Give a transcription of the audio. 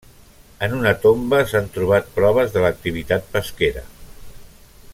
En una tomba s'han trobat proves de l'activitat pesquera.